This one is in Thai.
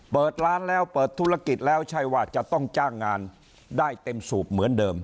เปิดร้านแล้วเปิดธุรกิจแล้วใช่ว่าจะต้องจ้างงานได้เต็มสูบเหมือนเดิม